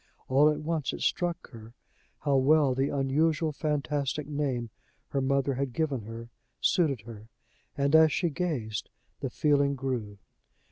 All at once it struck her how well the unusual, fantastic name her mother had given her suited her; and, as she gazed, the feeling grew.